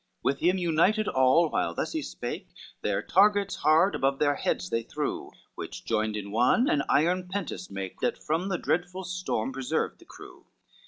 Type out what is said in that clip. LXXIV With him united all while thus he spake, Their targets hard above their heads they threw, Which joined in one an iron pentise make That from the dreadful storm preserved the crew.